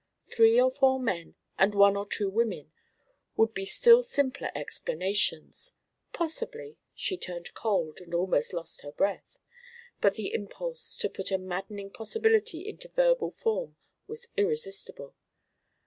Three or four men and one or two women would be still simpler explanations. Possibly " She turned cold and almost lost her breath, but the impulse to put a maddening possibility into verbal form was irresistible.